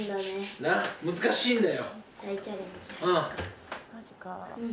難しいんだよ。